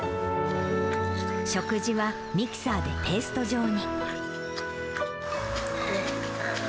食事はミキサーでペースト状に。